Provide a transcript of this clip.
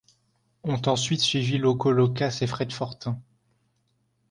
On ensuite suivi Loco Locass et Fred Fortin.